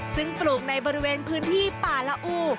ซึ่งปลูกในบริเวณพื้นที่ป่าละอู